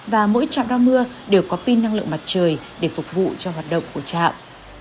và mỗi trạm đo mưa đều có pin năng lượng mặt trời để phục vụ cho hoạt động của trạm